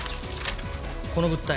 この物体